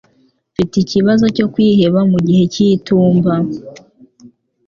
Mfite ikibazo cyo kwiheba mugihe cy'itumba